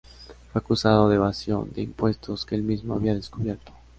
Fue acusado de evasión de impuestos que el mismo había descubierto.